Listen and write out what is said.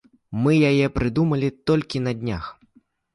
Мы яе прыдумалі толькі на днях.